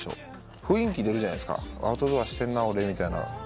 雰囲気出るじゃないですか「アウトドアしてんな俺」みたいな。